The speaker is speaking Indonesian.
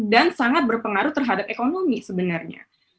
dan sangat berpengaruh terhadap ekonomi sebenarnya